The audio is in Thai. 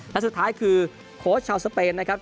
และสุดท้ายคือโค้ชชาวสเปนนะครับ